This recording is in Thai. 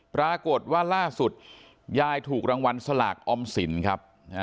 ปรากฏว่าล่าสุดยายถูกรางวัลสลากออมสินครับ